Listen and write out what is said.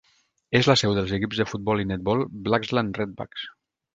És la seu dels equips de futbol i netbol "Blaxland Redbacks".